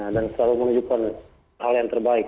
dan selalu menunjukkan hal yang terbaik